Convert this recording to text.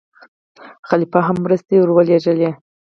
خلیفه هم مرستې ورولېږلې.